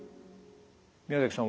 宮崎さん